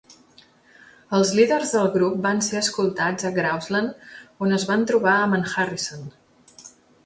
Els líders del grup van ser escoltats a Grouseland, on es van trobar amb en Harrison.